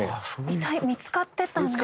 遺体見つかってたんですね。